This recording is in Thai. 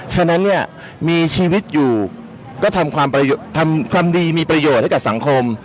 ฉะนั้นเนี่ยมีชีวิตอยู่ก็ทำความประโยชน์ทำความดีมีประโยชน์ให้กับสังคม